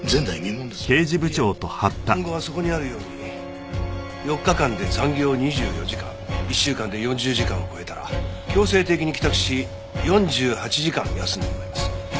いえ今後はそこにあるように４日間で残業２４時間１週間で４０時間を超えたら強制的に帰宅し４８時間休んでもらいます。